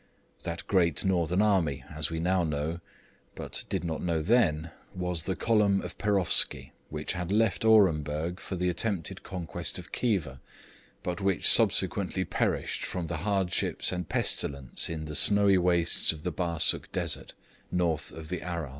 That great Northern army, as we know now, but did not know then, was the column of Perofski, which had left Orenburg for the attempted conquest of Khiva, but which subsequently perished from hardships and pestilence in the snowy wastes of the Barsuk Desert, north of the Aral.